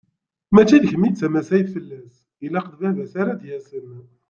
Mačči d kemm i d tamassayt fell-as, ilaq d baba-s ara d-yasen.